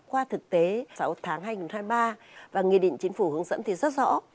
qua thực tế sáu tháng hai nghìn hai mươi ba và nghị định chính phủ hướng dẫn thì rất rõ